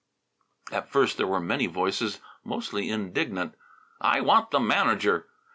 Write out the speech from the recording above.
At first there were many voices, mostly indignant: "I want the manager!"